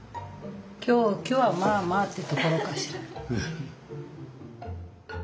今日はまあまあってところかしら。